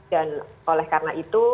dan oleh karena itu